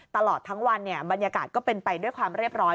ตลอดทั้งวันบรรยากาศก็เป็นไปด้วยความเรียบร้อย